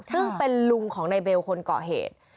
ซึ่งเป็นลุงของนายเบลคนเกาะเหตุ